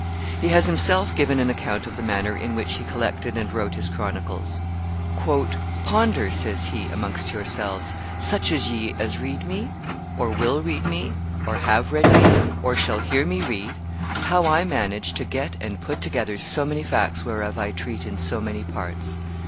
He has himself given an account of the manner in which he collected and wrote his Chronicles. "Ponder," says he, "amongst yourselves, such of ye as read me, or will read me, or have read me, or shall hear me read, how I managed to get and put together so many facts whereof I treat in so many parts.